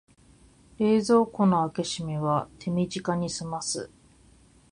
冷蔵庫の開け閉めは手短にすます